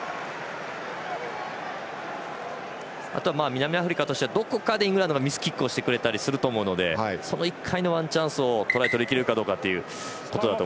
あとは南アフリカとしてはどこかでイングランドがミスキックをしてくれたりすると思うのでその１回のワンチャンスでトライを取りきれるかだと